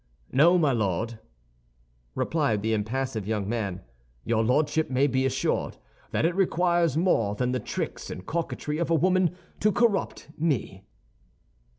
"No, my Lord," replied the impassive young man; "your Lordship may be assured that it requires more than the tricks and coquetry of a woman to corrupt me."